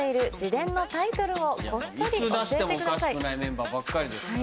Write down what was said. いつ出してもおかしくないメンバーばっかりですから。